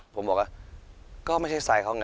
ผมบอกว่าก็ไม่ใช่ไซส์เขาไง